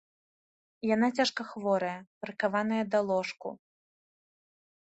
Яна цяжка хворая, прыкаваная да ложку.